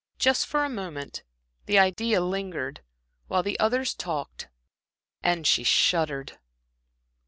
Just for a moment the idea lingered, while the others talked, and she shuddered.